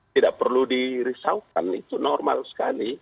tidak perlu dirisaukan itu normal sekali